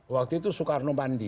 waktu itu soekarno mandi